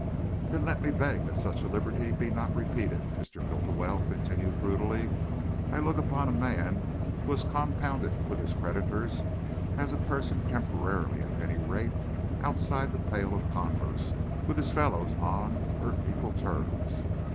"Then let me beg that such a liberty be not repeated," Mr. Bultiwell continued brutally. "I look upon a man who has compounded with his creditors as a person temporarily, at any rate, outside the pale of converse with his fellows on er equal terms.